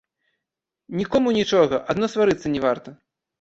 Нікому нічога, адно сварыцца не варта.